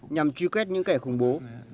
nhằm truy kết những kẻ khủng bố